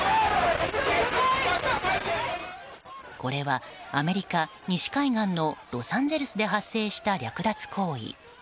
これはアメリカ西海岸のロサンゼルスで発生した略奪行為。